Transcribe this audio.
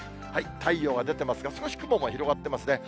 太陽が出てますが、少し雲も広がってますね。